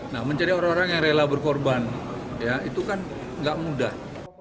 nah mencari orang orang yang rela berkorban ya itu kan nggak mudah